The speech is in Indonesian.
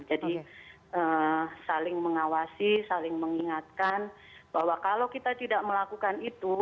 jadi saling mengawasi saling mengingatkan bahwa kalau kita tidak melakukan itu